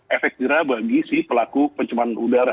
efek jerah bagi si pelaku pencemaran udara